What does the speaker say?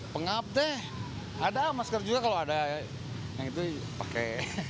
pengap deh ada masker juga kalau ada yang itu pakai